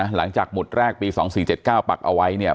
หมุดแรกปี๒๔๗๙ปักเอาไว้เนี่ย